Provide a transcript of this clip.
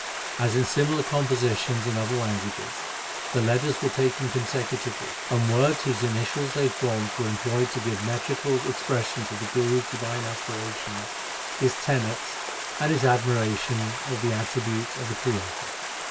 As in similar compositions in other languages, the letters were taken consecutively, and words whose initials they formed were employed to give metrical expression to the Guru s divine aspirations, his tenets, and his admiration of the attributes of the Creator.